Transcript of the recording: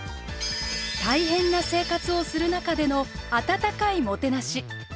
大変な生活をする中での温かいもてなし。